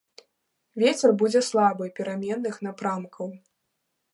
Вецер будзе слабы пераменных напрамкаў.